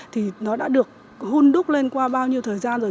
thì nó đã được hun đúc lên qua bao nhiêu thời gian rồi